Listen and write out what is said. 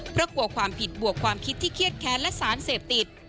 เพราะกลัวความผิดบวกความคิดที่เครียดแค้นและสารเสพติด